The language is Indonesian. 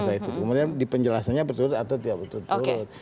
kemudian di penjelasannya berturut atau tidak berturut turut